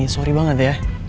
sorry banget ya